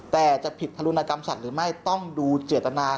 แต่จะผิดธรุณกรรมสัตว์หรือไม่ต้องดูเจตนา